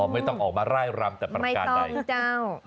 ไม่ต้องออกมาไล่ลำแต่ปราการใดไม่ต้องเจ้า